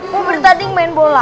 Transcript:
mau bertanding main bola